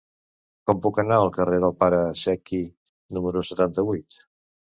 Com puc anar al carrer del Pare Secchi número setanta-vuit?